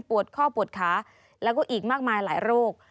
ข้อปวดขาแล้วก็อีกมากมายหลายโรค